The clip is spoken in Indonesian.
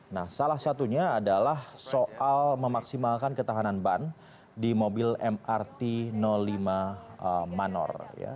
nah salah satunya adalah soal memaksimalkan ketahanan ban di mobil mrt lima manor